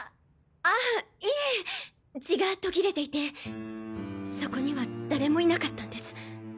あいえ血が途切れていてそこには誰もいなかったんです。